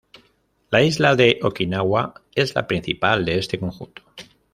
La isla de Okinawa es la principal de este conjunto.